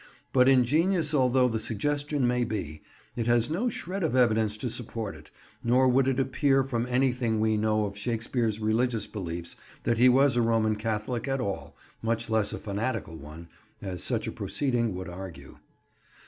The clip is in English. But, ingenious although the suggestion may be, it has no shred of evidence to support it, nor would it appear from anything we know of Shakespeare's religious beliefs, that he was a Roman Catholic at all, much less a fanatical one, as such a proceeding would argue.